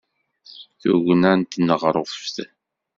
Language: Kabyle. Tugna n tneɣruft.